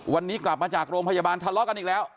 วันนี้กลับมาจากโรงพยาบาลทะเลาะกันอีกแล้ว